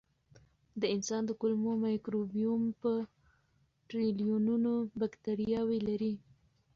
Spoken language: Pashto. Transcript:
د انسان د کولمو مایکروبیوم په ټریلیونونو بکتریاوې لري.